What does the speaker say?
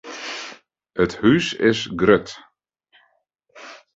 It hús is grut.